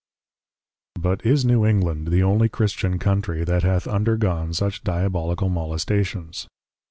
But is New England, the only Christian Countrey, that hath undergone such Diabolical Molestations?